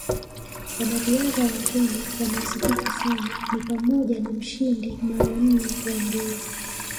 Wanariadha wa Kenya wanaosifika sana ni pamoja na mshindi mara nne wa mbio